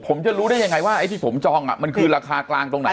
ผมจะรู้ได้ยังไงว่าไอ้ที่ผมจองมันคือราคากลางตรงไหน